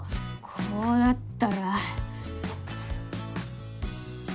こうなったら。